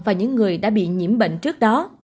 và những người đã bị nhiễm bệnh trước đó